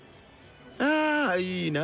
あいいな